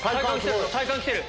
体幹きてる！